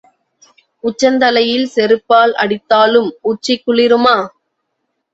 உச்சந் தலையில் செருப்பால் அடித்தாலும் உச்சி குளிருமா?